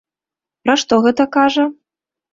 Пра што гэта кажа?